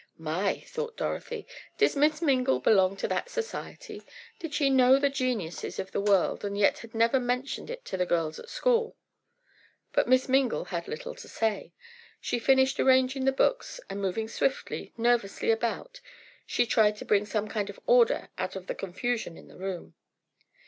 "My!" thought Dorothy, "did Miss Mingle belong to that society? Did she know the geniuses of the world, and yet had never mentioned it to the girls at school?" But Miss Mingle had little to say. She finished arranging the books, and moving swiftly, nervously about, she tried to bring some kind of order out of the confusion in the room.